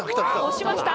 押しました。